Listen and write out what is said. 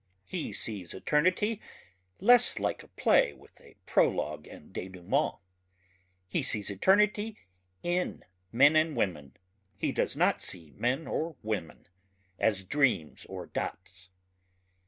He sees eternity less like a play with a prologue and dénouement ... he sees eternity in men and women ... he does not see men or women as dreams or dots.